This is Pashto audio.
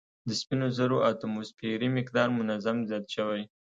د سپینو زرو اتوموسفیري مقدار منظم زیات شوی